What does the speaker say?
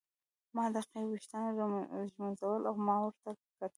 ما د هغې ویښتان ږمونځول او ما ورته کتل.